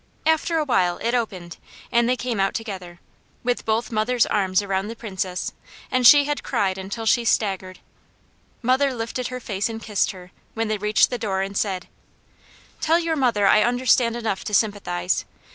After a while it opened and they came out together, with both mother's arms around the Princess, and she had cried until she staggered. Mother lifted her face and kissed her, when they reached the door and said: "Tell your mother I understand enough to sympathize.